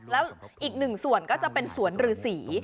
แล้วอีกหนึ่งส่วนก็จะเป็นสวนรือสี